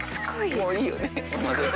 もういいよね？